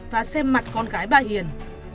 và xem mặt con gái bà hiền